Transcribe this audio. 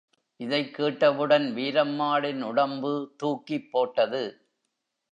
இதைக் கேட்டவுடன், வீரம்மாளின் உடம்பு தூக்கிப்போட்டது.